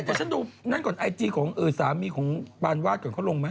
เอ๊ะแต่ฉันดูไอจีของสามีของปานวาดก่อนเขาลงไหม